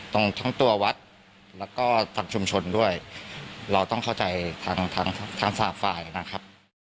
ทั้งทั้งตัววัดแล้วก็ทางชุมชนด้วยเราต้องเข้าใจทางทางสามฝ่ายนะครับ